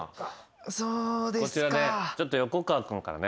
こちらでちょっと横川君からね。